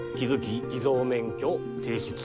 偽造免許を提出